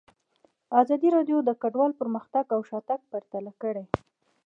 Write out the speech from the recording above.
ازادي راډیو د کډوال پرمختګ او شاتګ پرتله کړی.